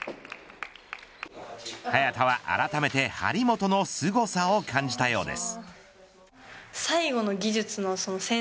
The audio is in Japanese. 早田はあらためて張本のすごさを感じたようです。